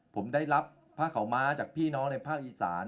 ผมได้รับผ้าขาวม้าจากพี่น้องในภาคอีสาน